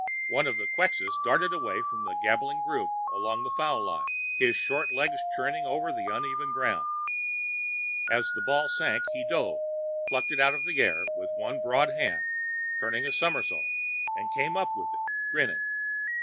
One of the Quxas darted away from the gabbling group along the foul line, his short legs churning over the uneven ground. As the ball sank, he dove, plucked it out of the air with one broad hand, turned a somersault and came up with it, grinning.